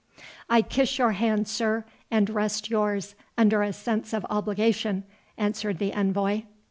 "I kiss your hand, sir, and rest yours, under a sense of obligation," answered the envoy.